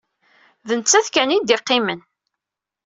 D nettat kan ay d-yeqqimen.